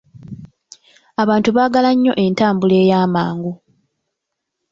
Abantu baagala nnyo entambula ey'amangu.